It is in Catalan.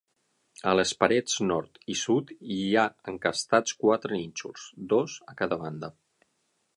A les parets nord i sud hi ha encastats quatre nínxols, dos a cada banda.